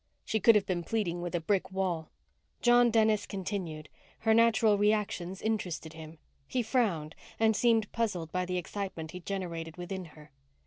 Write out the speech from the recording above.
She could have been pleading with a brick wall. John Dennis continued her natural reactions interested him. He frowned and seemed puzzled by the excitement he generated within her.